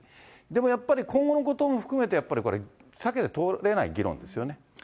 でもやっぱり今後のことも含めてやっぱりこれ、避けて通れない議論ですよね。